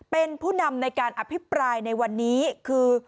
เป็นผู้นำในการอภิปรายในวันนี้คือ